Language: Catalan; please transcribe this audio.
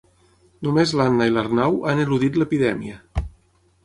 Només l'Anna i l'Arnau han eludit l'epidèmia.